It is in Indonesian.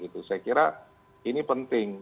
saya kira ini penting